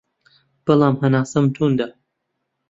بەڵام هەناسەم توندە